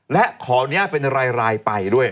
และขออนุญาตเป็นรายไปด้วย